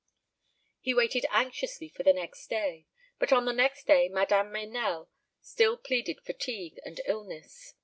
He waited anxiously for the next day; but on the next day Madame Meynell still pleaded fatigue and illness.